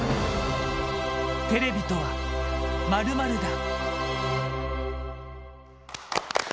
「テレビとは、○○だ」。